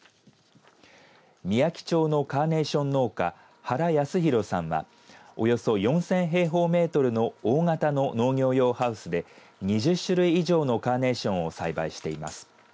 みやき町のカーネーション農家、原康裕さんはおよそ４０００平方メートルの大型の農業用ハウスで２０種類以上のカーネーションを栽培しています。